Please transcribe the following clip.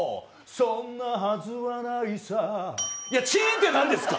そんなはずはないさチンって何ですか？